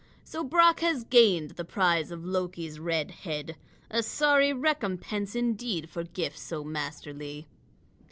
So Brock has gained the prize of Loki's red head, a sorry recompense indeed for gifts so masterly."